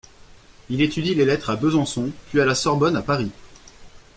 Il étudie les lettres à Besançon puis à la Sorbonne à Paris.